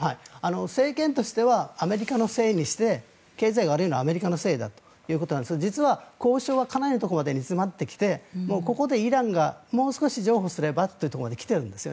政権としてはアメリカのせいにして経済が悪いのはアメリカのせいだということなんですが実は、交渉はかなりのところまで詰まっていてここでイランがもう少し譲歩すればというところまで来ているんです。